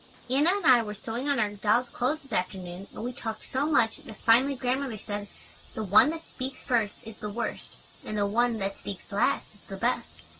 Anna and I were sewing on our dolls' clothes this afternoon and we talked so much that finally Grandmother said, "the one that speaks first is the worst; and the one that speaks last is the best."